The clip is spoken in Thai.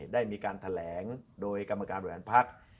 ได้มีการแถลงโดยกรรมการอุอยาภัฬพรรค